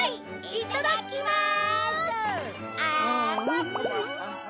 いただきまーす。